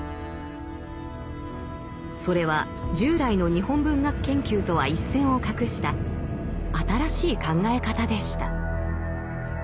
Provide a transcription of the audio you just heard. それは従来の日本文学研究とは一線を画した新しい考え方でした。